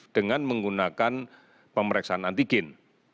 dengan menggunakan pemeriksaan antigen